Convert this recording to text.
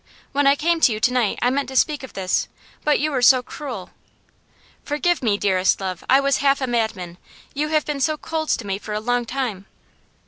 When I came to you to night I meant to speak of this, but you were so cruel ' 'Forgive me, dearest love! I was half a madman. You have been so cold to me for a long time.